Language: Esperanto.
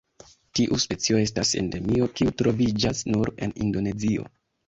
Tiu specio estas Endemio kiu troviĝas nur en Indonezio.